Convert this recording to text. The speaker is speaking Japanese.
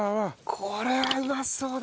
これはうまそうだ。